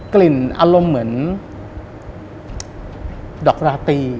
เกล็นอลงเหมือนดอกลาปี